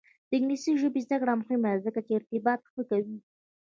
د انګلیسي ژبې زده کړه مهمه ده ځکه چې ارتباط ښه کوي.